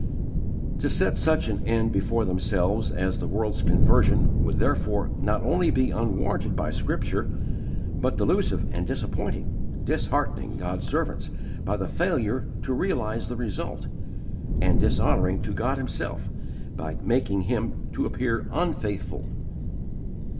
To set such an end before themselves as the world's conversion would therefore not only be unwarranted by Scripture, but delusive and disappointing, disheartening God's servants by the failure to realize the result, and dishonoring to God Himself by making Him to appear unfaithful.